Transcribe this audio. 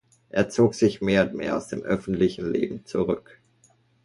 Er zog sich mehr und mehr aus dem öffentlichen Leben zurück.